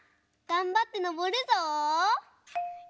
がんばってのぼるぞ！